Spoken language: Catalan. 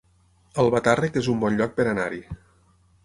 Albatàrrec es un bon lloc per anar-hi